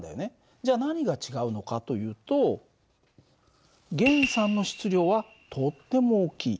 じゃ何が違うのかというと源さんの質量はとっても大きい。